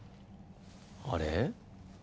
あれ？